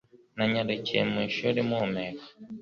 Nanyarukiye mu ishuri mpumeka